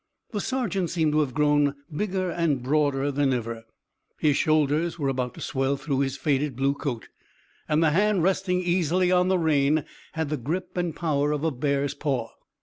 The sergeant seemed to have grown bigger and broader than ever. His shoulders were about to swell through his faded blue coat, and the hand resting easily on the rein had the grip and power of a bear's paw.